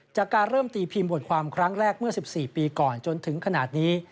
จากการเริ่มตีพิมพ์บทความครั้งแรกเมื่อ๑๔ปีก่อนจนถึงขนาดนี้